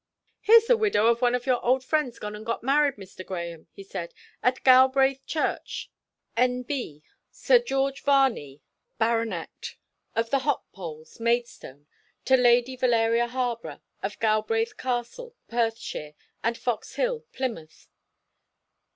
"Here's the widow of one of your old friends gone and got married, Mr. Grahame," he said. "'At Galbraith Church, N.B., Sir George Varney, Bart., of the Hop Poles, Maidstone, to Lady Valeria Harborough, of Galbraith Castle, Perthshire, and Fox Hill, Plymouth.'